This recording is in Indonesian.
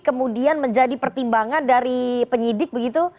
kemudian menjadi pertimbangan dari penyidik begitu